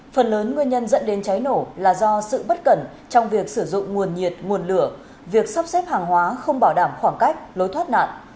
phần lớn nguyên nhân dẫn đến cháy nổ là do sự bất cẩn trong việc sử dụng nguồn nhiệt nguồn lửa việc sắp xếp hàng hóa không bảo đảm khoảng cách lối thoát nạn